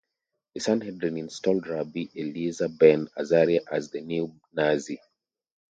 The Sanhedrin installed Rabbi Eleazar Ben Azariah as the new Nasi.